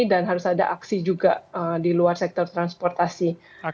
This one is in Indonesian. dan harus ada aksi juga di luar sektor transportasi